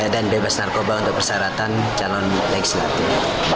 dan bebas dari narkoba untuk persyaratan calon legislatif